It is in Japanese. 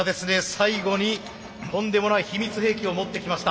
最後にとんでもない秘密兵器を持ってきました。